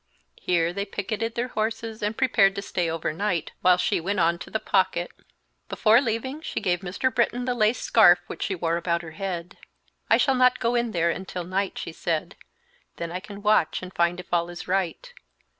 Here they picketed their horses and prepared to stay over night, while she went on to the Pocket. Before leaving she gave Mr. Britton the lace scarf which she wore about her head. "I shall not go in there until night," she said; "then I can watch and find if all is right.